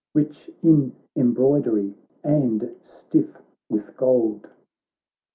Rich in embroidery and stiff with gold.